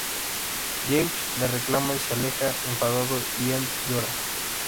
James le reclama y se aleja enfadado, y Em llora.